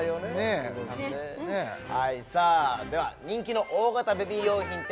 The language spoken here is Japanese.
はいさあでは人気の大型ベビー用品店